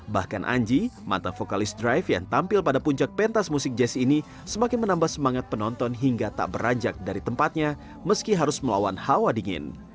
bahkan anji mata vokalis drive yang tampil pada puncak pentas musik jazz ini semakin menambah semangat penonton hingga tak beranjak dari tempatnya meski harus melawan hawa dingin